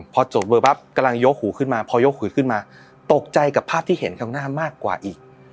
พอจบเบอร์แป๊ปตกใจกับภาพที่เห็นข้างหน้ามากกว่าอีก